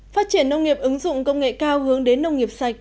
phát triển nông nghiệp ứng dụng công nghệ cao hướng đến nông nghiệp sạch